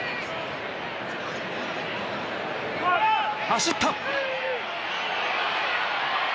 走った！